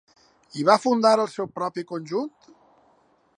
I va fundar el seu propi conjunt?